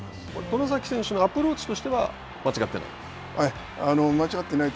外崎選手のアプローチとしては間違ってない？